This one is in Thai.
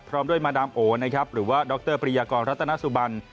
พร้อมด้วยมาดามโอนะครับหรือว่าดรปริยากรรัตนสุบัน